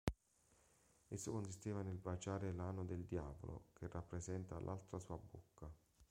Esso consiste nel baciare l'ano del Diavolo, che rappresenta l'altra sua bocca.